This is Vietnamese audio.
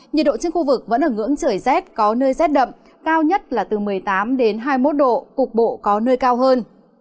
nhiệt độ trên khu vực vẫn ở ngưỡng trời rét có nơi rét đậm cao nhất là từ một mươi tám hai mươi một độ cục bộ có nơi cao hơn